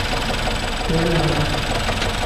تيل ھڻ